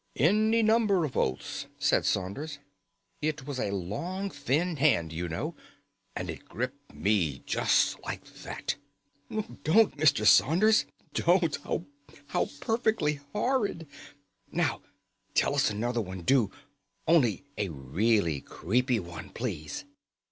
"Any number of oaths," said Saunders. "It was a long thin hand, you know, and it gripped me just like that." "Don't Mr. Saunders! Don't! How perfectly horrid! Now tell us another one, do. Only a really creepy one, please!"